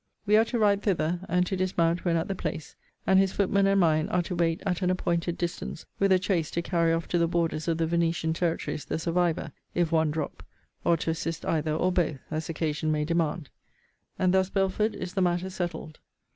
We are to ride thither, and to dismount when at the place; and his footman and mine are to wait at an appointed distance, with a chaise to carry off to the borders of the Venetian territories the survivor, if one drop; or to assist either or both, as occasion may demand. And thus, Belford, is the matter settled.